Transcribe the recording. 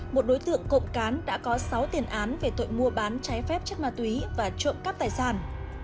một đối tượng cộng cán đã có sáu tiền án về tội mua bán trái phép chất ma túy và trộm cắp tài sản